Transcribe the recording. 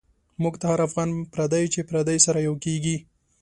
موږ ته هر افغان پردی، چی پردی سره یو کیږی